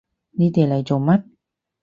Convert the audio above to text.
你哋嚟做乜？